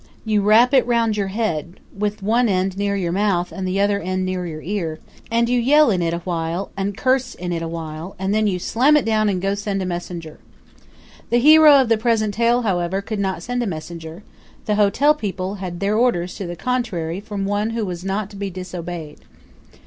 You wrap it round your head, with one end near your mouth and the other end near your ear, and you yell in it a while and curse in it a while; and then you slam it down and go and send a messenger. The hero of the present tale, however, could not send a messenger the hotel people had their orders to the contrary from one who was not to be disobeyed.